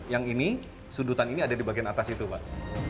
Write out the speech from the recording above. yang ini sudutan ini ada di bagian atas itu pak